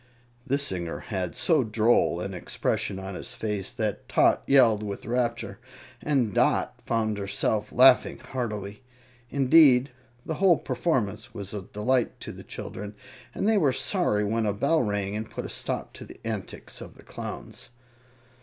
This singer had so droll an expression on his face that Tot yelled with rapture, and Dot found herself laughing heartily. Indeed, the whole performance was a delight to the children, and they were sorry when a bell rang and put a stop to the antics of the Clowns.